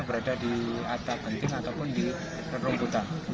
berada di atas penting ataupun di penerung kota